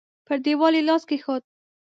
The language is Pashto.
پر دېوال يې لاس کېښود.